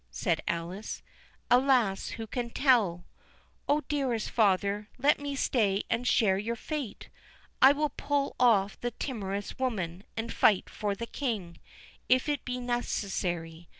said Alice—"Alas, who can tell?—O, dearest father, let me stay and share your fate! I will pull off the timorous woman, and fight for the King, if it be necessary.